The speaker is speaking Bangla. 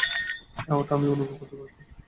অ্যাওর্টা, আমি অনুভব করতে পারছি।